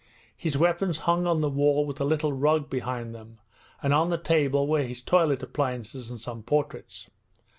His weapons hung on the wall with a little rug behind them, and on the table were his toilet appliances and some portraits.